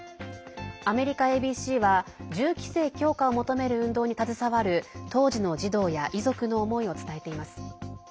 アメリカＡＢＣは銃規制強化を求める運動に携わる当時の児童や遺族の思いを伝えています。